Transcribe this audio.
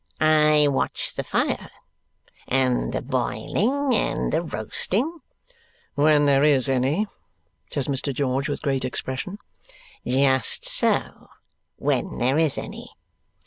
"I watch the fire and the boiling and the roasting " "When there is any," says Mr. George with great expression. "Just so. When there is any."